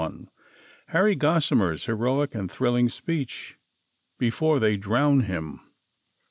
HARRY GOSSrVIER'S HEROIC AND THRILLING SPEECH BEFORE THEY DROWN HIM.